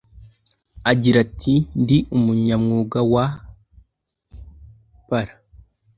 agira ati ndi umunyamwuga wa pr